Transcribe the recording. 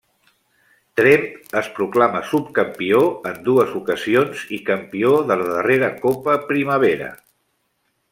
Tremp es proclama subcampió en dues ocasions i campió de la darrera Copa Primavera.